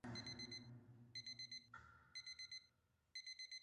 زه د روغتیا خیال ساتم.